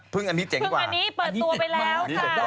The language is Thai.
พึ่งอันนี้เจ๋งกว่าพึ่งอันนี้เปิดตัวไปแล้วค่ะ